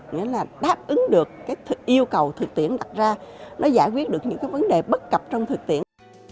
nghĩa là đáp ứng được cái yêu cầu thực tiễn đặt ra nó giải quyết được những cái vấn đề bất cập trong thực tiễn